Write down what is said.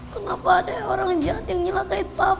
kenapa ada orang jahat yang nyalahkan papa